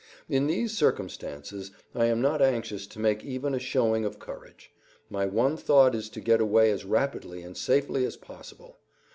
In these circumstances I am not anxious to make even a showing of courage; my one thought is to get away as rapidly and safely as possible.